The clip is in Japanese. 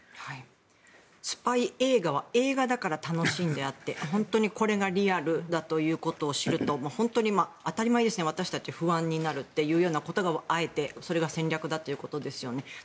スパイ映画は映画だから楽しいんであって本当にこれがリアルだということを知ると本当に当たり前ですが私たち、不安になるということがあえて、それが戦略だということですよね。